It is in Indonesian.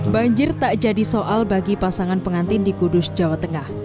banjir tak jadi soal bagi pasangan pengantin di kudus jawa tengah